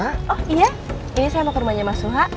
oh iya ini saya mau ke rumahnya mas suha